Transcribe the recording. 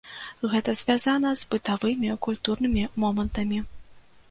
Гэта звязана з бытавымі, культурнымі момантамі.